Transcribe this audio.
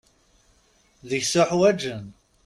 Deg-s uḥwaǧen.